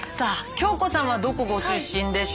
京子さんはどこご出身でしょう？